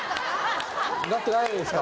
なってないですか？